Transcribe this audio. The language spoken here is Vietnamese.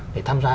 để tham gia